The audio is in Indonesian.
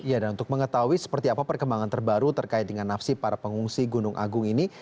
ya dan untuk mengetahui seperti apa perkembangan terbaru terkait dengan nafsib para pengungsi gunung agung ini